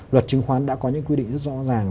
luật chứng khoán đã có những quy định rất rõ ràng